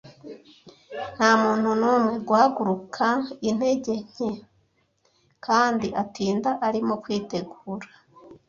nta muntu n'umwe guhaguruka intege nke kandi atinda arimo kwitegura